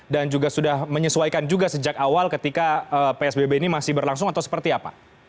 dan juga sudah menyesuaikan juga sejak awal ketika psbb ini masih berlangsung atau seperti apa